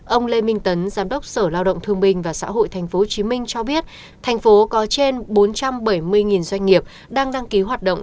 ông lê minh tấn giám đốc sở lao động thương minh và xã hội tp hcm cho biết thành phố có trên bốn trăm bảy mươi doanh nghiệp đang đăng ký hoạt động